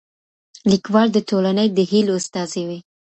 ليکوال د ټولني د هيلو استازی وي.